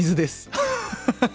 アハハハ。